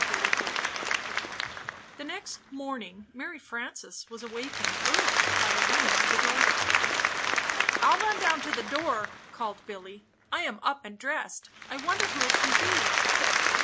'lam ori nmum^ HE next morning ]\Iary Frances was awakened early by a ring of the door bell. ''I'll run down to the door," called Billy. " I am up and dressed. I wonder who it can be?